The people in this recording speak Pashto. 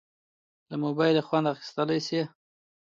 له موبایله خوند اخیستیلی شې.